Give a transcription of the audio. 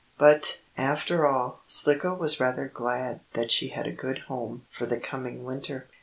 But, after all, Slicko was rather glad that she had a good home for the coming winter.